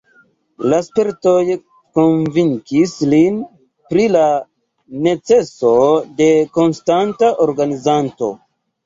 La spertoj konvinkis lin pri la neceso de konstanta organizanto.